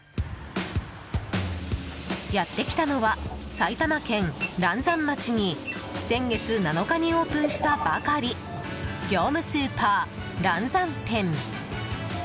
やってきたのは埼玉県嵐山町に先月７日にオープンしたばかり業務スーパー、嵐山店。